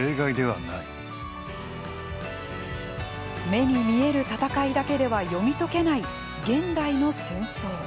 目に見える戦いだけでは読み解けない現代の戦争。